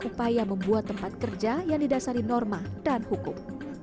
upaya membuat tempat kerja yang didasari norma dan hukum